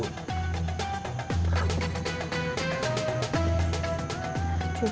dia sedang membuka jendela untuk kamu